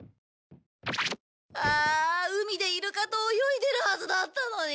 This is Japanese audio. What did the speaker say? ああ海でイルカと泳いでるはずだったのに。